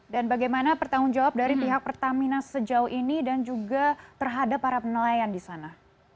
dan bagaimana pertanggung jawab dari pihak pertamina sejauh ini dan juga terhadap para penelayan di sana